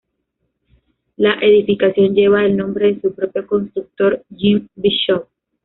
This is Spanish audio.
La edificación lleva el nombre de su propio constructor, Jim Bishop.